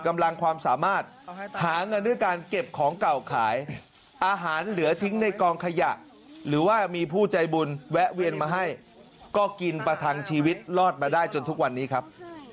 อาหารเหลือทิ้งในกองขยะหรือว่ามีผู้ใจบุญแวะเวียนมาให้ก็กินประทังชีวิตรอดมาได้จนทุกวันนี้ครับ